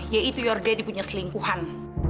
yaitu your daddy punya selingkuhan